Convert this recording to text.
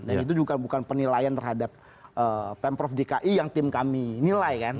dan itu juga bukan penilaian terhadap pemprov dki yang tim kami nilai kan